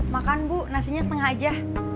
makan bu nasinya setengah aja